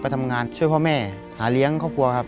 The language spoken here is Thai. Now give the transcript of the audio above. ทำงานช่วยพ่อแม่หาเลี้ยงครอบครัวครับ